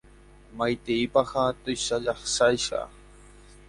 Maiteipaha tuichaháicha.